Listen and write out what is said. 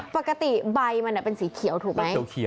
ปกติใบมันเป็นสีเขียวถูกไหม